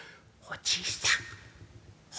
おじいさん」。